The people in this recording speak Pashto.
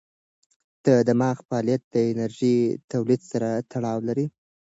د دماغ فعالیت د انرژۍ تولید سره تړاو لري.